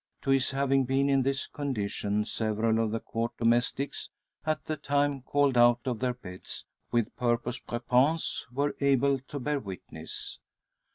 To his having been in this condition several of the Court domestics, at the time called out of their beds, with purpose prepense, were able to bear witness.